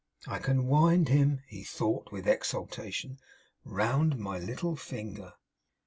I can wind him,' he thought, with exultation, 'round my little finger.